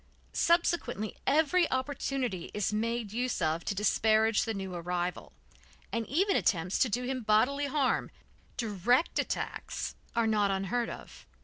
Subsequently every opportunity is made use of to disparage the new arrival, and even attempts to do him bodily harm, direct attacks, are not unheard of.